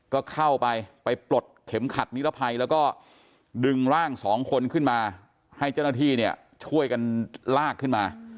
ก็เข้าไปไปปลดเข็มขัดนิรภัยแล้วก็ดึงร่างสองคนขึ้นมาให้เจ้าหน้าที่เนี่ยช่วยกันลากขึ้นมา